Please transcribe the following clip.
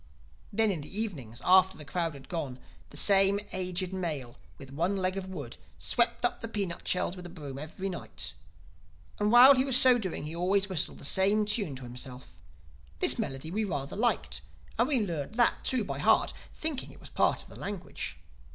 "Then in the evenings, after the crowd had gone, the same aged male with one leg of wood, swept up the peanut shells with a broom every night. And while he was so doing he always whistled the same tune to himself. This melody we rather liked; and we learned that too by heart—thinking it was part of the language.